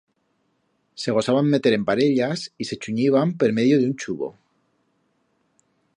Se gosaban meter en parellas y se chunyiban per medio d'un chubo.